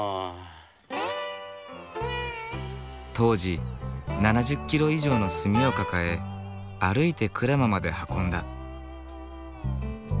当時７０キロ以上の炭を抱え歩いて鞍馬まで運んだ。